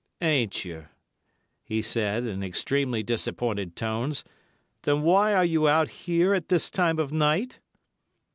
"Ain't you," he said, in extremely disappointed tones. "Then why are you out here at this time of night?"